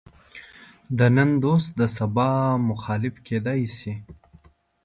د نن دوست د سبا مخالف کېدای شي.